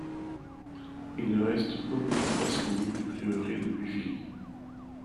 Il ne reste aucune trace connue du prieuré de Buvilly.